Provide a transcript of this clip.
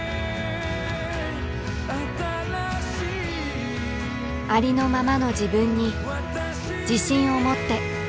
ありのままの自分に自信を持って。